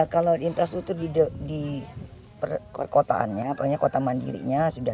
kalau infrastruktur di kotaannya palingnya kota mandirinya sudah